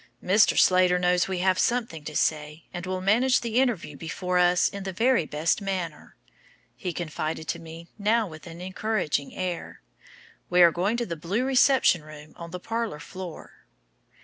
"Mr. Slater knows we have something to say, and will manage the interview before us in the very best manner," he confided to me now with an encouraging air. "We are to go to the blue reception room on the parlour floor."